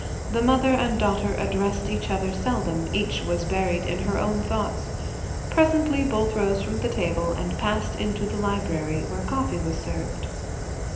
The mother and daughter addressed each other seldom: each was buried in her own thoughts. Presently both rose from the table and passed into the library, where coffee was served.